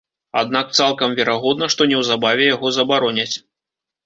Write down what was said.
Аднак цалкам верагодна, што неўзабаве яго забароняць.